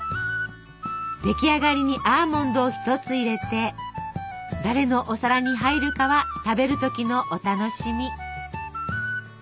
出来上がりにアーモンドを一つ入れて誰のお皿に入るかは食べる時のお楽しみ。